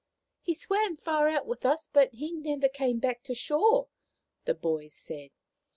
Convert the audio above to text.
" He swam far out with us, but he never came back to shore," the boys said.